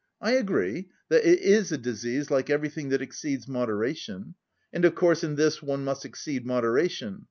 I agree, that it is a disease like everything that exceeds moderation. And, of course, in this one must exceed moderation.